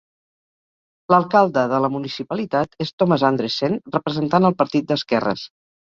L'alcalde de la municipalitat és Thomas Andresen, representant el partit d'esquerres.